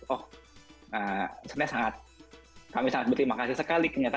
oh sebenarnya kami sangat berterima kasih sekali